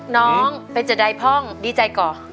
น้องเป็นจะได้พร่องดีใจก่อน